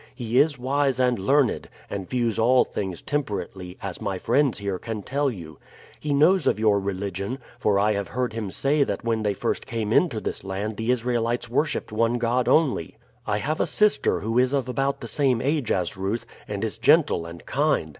He is wise and learned, and views all things temperately, as my friends here can tell you. He knows of your religion; for I have heard him say that when they first came into this land the Israelites worshiped one God only. I have a sister who is of about the same age as Ruth, and is gentle and kind.